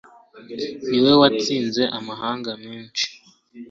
ni we watsinze amahanga menshi